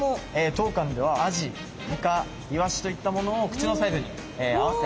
当館ではアジイカイワシといったものを口のサイズに合わせて与えてます。